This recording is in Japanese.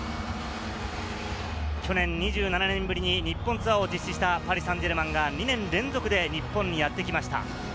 去年２７年ぶりに日本ツアーを実施したパリ・サンジェルマンが２年連続で日本にやってきました。